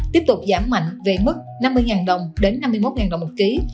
tiếp tục giảm mạnh về mức năm mươi đồng đến năm mươi một đồng một ký